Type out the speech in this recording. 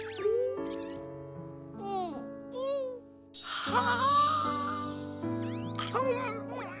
はあ！